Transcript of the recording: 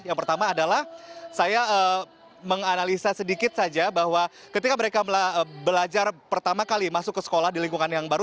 yang pertama adalah saya menganalisa sedikit saja bahwa ketika mereka belajar pertama kali masuk ke sekolah di lingkungan yang baru